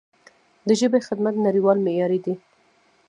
د ژبې خدمت نړیوال معیار دی.